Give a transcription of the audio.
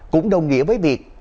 cũng đồng nghĩa với việc